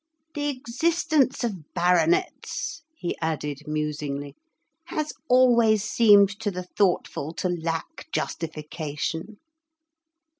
The existence of baronets,' he added musingly, 'has always seemed to the thoughtful to lack justification.